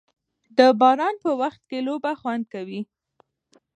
د باران په وخت کې لوبه خوند کوي.